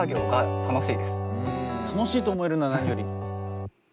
楽しいと思えるのは何より！